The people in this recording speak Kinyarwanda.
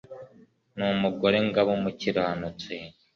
n umugore ngo abe umukiranutsi